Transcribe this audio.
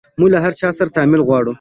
موژ له هر چا سره تعامل غواړو